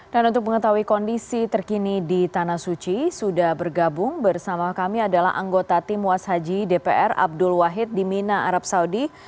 dan untuk mengetahui kondisi terkini di tanah suci sudah bergabung bersama kami adalah anggota tim washaji dpr abdul wahid di mina arab saudi